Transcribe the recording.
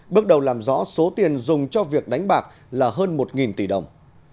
bước đầu làm rõ số tiền dùng cho việc đánh bạc là hơn một tỷ đồng